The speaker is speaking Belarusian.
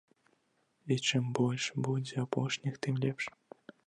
І чым больш будзе апошніх, тым лепш.